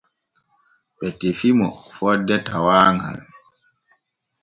Ɓe tefi mo fonde tawaaŋal.